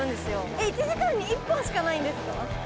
えっ１時間に１本しかないんですか？